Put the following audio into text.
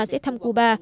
sẽ thăm cuba